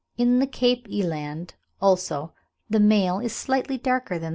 In the Cape eland, also, the male is slightly darker than the female.